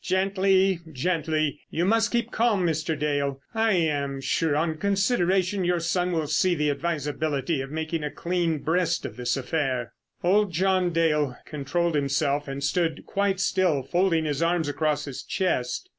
"Gently, gently! You must keep calm, Mr. Dale. I am sure, on consideration, your son will see the advisability of making a clean breast of this affair." Old John Dale controlled himself and stood quite still, folding his arms across his chest.